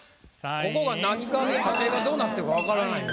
ここが何か査定がどうなってるか分からないんで。